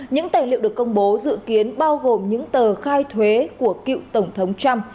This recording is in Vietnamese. những tài liệu được công bố dự kiến bao gồm những tờ khai thuế của cựu tổng thống trump